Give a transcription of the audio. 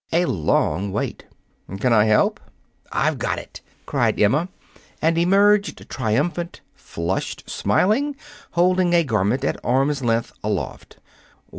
A long wait. "Can I help?" "I've got it!" cried Emma, and emerged triumphant, flushed, smiling, holding a garment at arm's length, aloft.